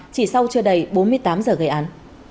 chỉ sau chưa đầy bốn mươi tám giờ gây án